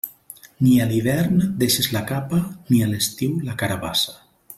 Ni a l'hivern deixes la capa, ni a l'estiu la carabassa.